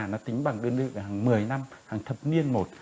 nó tính bằng đơn hàng một mươi năm hàng thập niên một